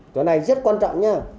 chỗ này rất quan trọng nha